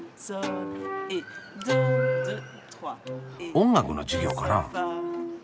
音楽の授業かな？